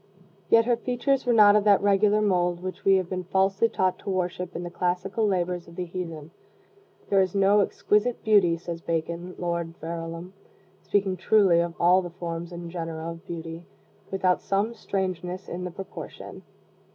Yet her features were not of that regular mold which we have been falsely taught to worship in the classical labors of the heathen. "There is no exquisite beauty," says Bacon, Lord Verulam, speaking truly of all the forms and genera of beauty, "without some strangeness in the proportion."